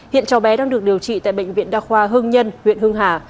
hiện cháu bé đang được điều trị tại bệnh viện đa khoa hưng nhân huyện hưng hà